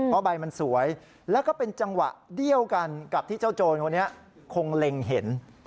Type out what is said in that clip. เพราะใบมันสวยแล้วก็เป็นจังหวะเดียวกันกับที่เจ้าโจรคนนี้คงเล็งเห็น